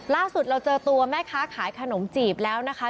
ล่าสุดเราเจอตัวแม่ค้าขายขนมจีบแล้วนะคะ